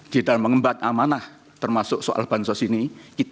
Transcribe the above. di dalam mengembangkan amanah termasuk soal bantuan sosial ini